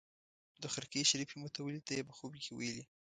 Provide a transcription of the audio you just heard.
د خرقې شریفې متولي ته یې په خوب کې ویلي.